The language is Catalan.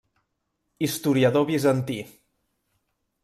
Historiador bizantí.